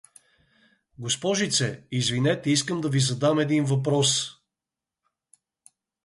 Г-це, извинете, искам да ви задам един въпрос.